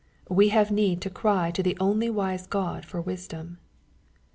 We have need to cry to the only wise God foi wisdom.